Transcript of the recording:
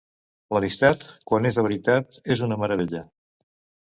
L'amistat, quan és de veritat, és una meravellla.